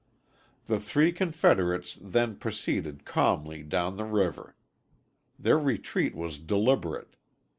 The three confederates then proceeded calmly down the river. Their retreat was deliberate.